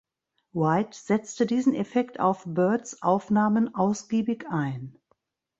White setzte diesen Effekt auf Byrds-Aufnahmen ausgiebig ein.